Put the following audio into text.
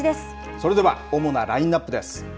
それでは、主なラインナップです。